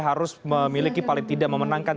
harus memiliki paling tidak memenangkan